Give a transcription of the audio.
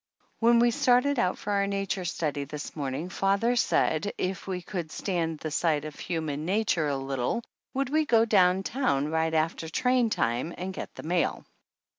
When we started out for our nature study this morning father said if we could stand the sight of human nature a little would we go down town right after train time and get the mail?